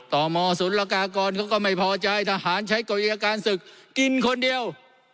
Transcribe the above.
ต่อมอสุรกากรเขาก็ไม่พอใจทหารใช้กรุยการศึกกินคนเดียว